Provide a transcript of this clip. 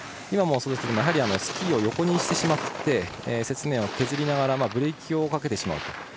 今もスキーを横にしてしまって雪面を削りながらブレーキをかけてしまうと。